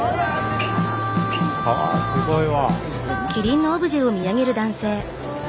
あすごいわ。